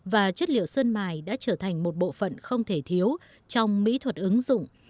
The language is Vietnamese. và chất liệu sơn mài đã trở thành một bộ phận không thể thiếu trong mỹ thuật ứng dụng